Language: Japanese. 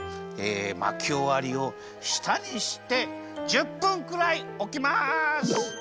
まきおわりをしたにして１０ぷんくらいおきます！